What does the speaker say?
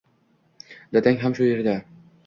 Dadang ham shu yerda